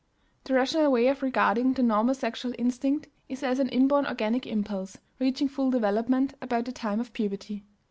The rational way of regarding the normal sexual instinct is as an inborn organic impulse, reaching full development about the time of puberty.